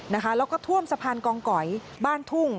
แล้วก็ท่วมสะพานกองก๋อยบ้านทุ่ง